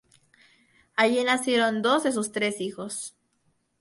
Allí nacieron dos de sus tres hijos.